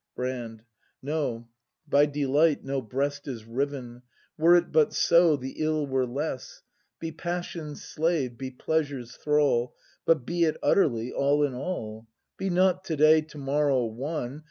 Brand. No, by delight no breast is riven; — Were it but so, the ill were less! Be passion's slave, be pleasure's thrall, —• But be it utterly, all in all ! Be not to day, to morrow, one.